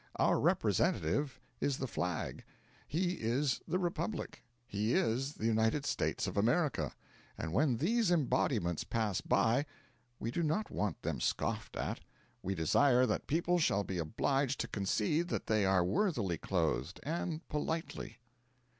Our representative is the flag. He is the Republic. He is the United States of America. And when these embodiments pass by, we do not want them scoffed at; we desire that people shall be obliged to concede that they are worthily clothed, and politely.